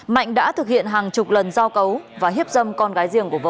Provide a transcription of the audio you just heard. mạnh đã thực hiện hàng chục lần giao cấu và hiếp dâm con gái riêng của vợ